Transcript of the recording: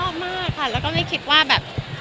ชอบมากค่ะแล้วก็ไม่คิดว่าแบบ